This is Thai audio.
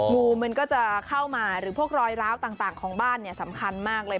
งูมันก็จะเข้ามาหรือพวกรอยร้าวต่างของบ้านเนี่ยสำคัญมากเลย